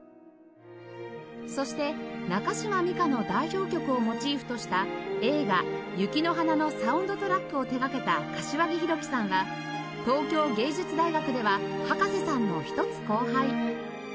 そして中島美嘉の代表曲をモチーフとした映画『雪の華』のサウンドトラックを手掛けた柏木広樹さんは東京藝術大学では葉加瀬さんのひとつ後輩